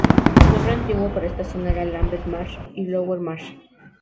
El nombre antiguo para esta zona era "Lambeth Marsh" y "Lower Marsh".